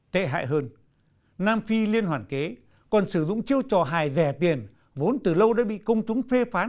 tệ hại hơn nam phi liên hoàn kế còn sử dụng chiêu trò hài rẻ tiền vốn từ lâu đã bị công chúng phê phán